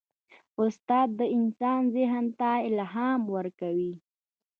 استاد د انسان ذهن ته الهام ورکوي.